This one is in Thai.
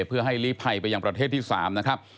เพื่อให้ลีภัยไปยังประเทศที่๓นะครับ